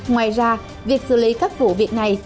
ngoài ra việc xử lý các vụ việc này